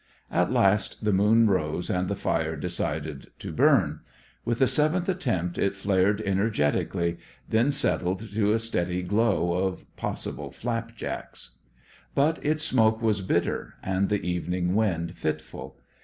At last the moon rose and the fire decided to burn. With the seventh attempt it flared energetically; then settled to a steady glow of possible flap jacks. But its smoke was bitter, and the evening wind fitful.